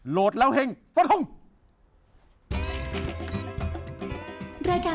โหลดแล้วเฮ่งสวัสดีครับ